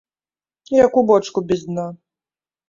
Як у бочку без дна.